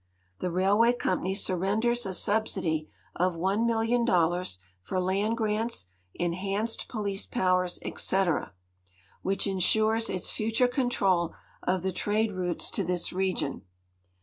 Tlie railway company surrenders a subsidy of $1,000,000 for land grants, enhanced police powers, etc., which insures its future control of the trade routes to this region.